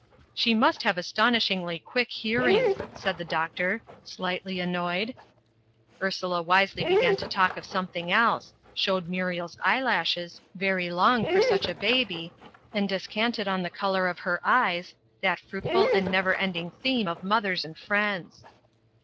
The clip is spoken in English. "She must have astonishingly quick hearing," said the doctor, slightly annoyed. Ursula wisely began to talk of something else showed Muriel's eyelashes, very long for such a baby and descanted on the colour of her eyes, that fruitful and never ending theme of mothers and friends.